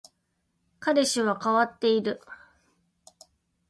彼氏は変わっている